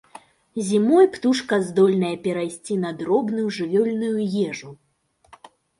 Зімой птушка здольная перайсці на дробную жывёльную ежу.